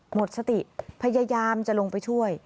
หมดสติพยายามจะลงไปช่วย